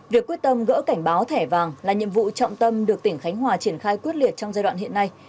việc quyết tâm gỡ cảnh báo thẻ vàng là nhiệm vụ trọng tâm được tỉnh khánh hòa triển khai quyết liệt trong giai đoạn hiện nay